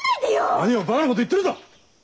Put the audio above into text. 何をバカなこと言ってるんだ！